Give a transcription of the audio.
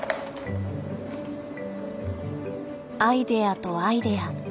アイデアとアイデア。